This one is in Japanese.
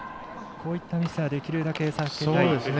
こういったミスはできるだけ避けたいですね。